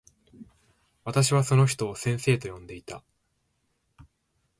私はその人を先生と呼んでいた。